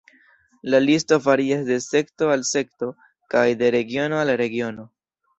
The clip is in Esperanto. La listo varias de sekto al sekto, kaj de regiono al regiono.